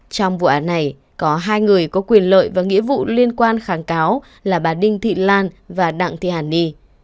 trong vụ án này có hai người có quyền lợi và nghĩa vụ liên quan kháng cáo là bà đinh thị lan và đặng thị hàn ni